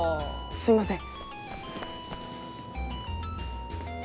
すいません。